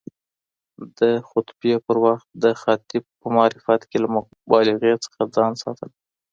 د خطبې پر وخت د خاطب په معرفت کي له مبالغې څخه ځان ساتل